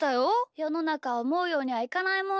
よのなかおもうようにはいかないもんさ。